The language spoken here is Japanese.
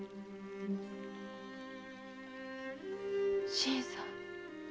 新さん。